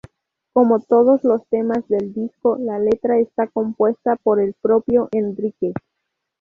Como todos los temas del disco, la letra está compuesta por el propio Enrique.